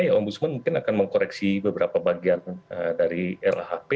ya ombudsman mungkin akan mengkoreksi beberapa bagian dari lhp